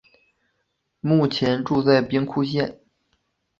目前住在兵库县。